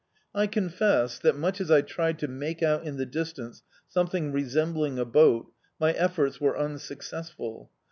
I confess that, much as I tried to make out in the distance something resembling a boat, my efforts were unsuccessful.